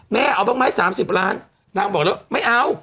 แม่เอาบางไม้สามสิบล้านนางบอกแล้วไม่เอา